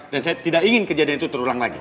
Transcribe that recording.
dan saya tidak ingin kejadian itu terulang lagi